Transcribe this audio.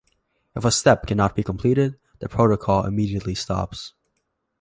If a step cannot be completed, the protocol immediately stops.